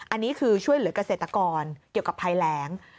อันนี้คือช่วยเหลือกเกษตรกรเกี่ยวกับภัยแรง